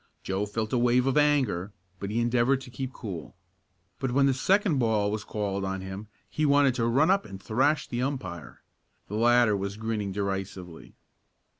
Joe felt a wave of anger, but he endeavored to keep cool. But when the second ball was called on him he wanted to run up and thrash the umpire. The latter was grinning derisively.